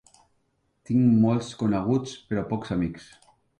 Tinc molts coneguts, però pocs amics